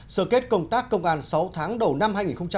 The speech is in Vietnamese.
sơ kết công tác công an sáu tháng đầu năm hai nghìn một mươi tám